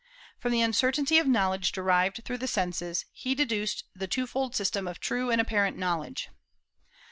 From the uncertainty of knowledge derived through the senses, he deduced the twofold system of true and apparent knowledge.